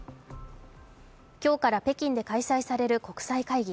今日から北京で開催される国際会議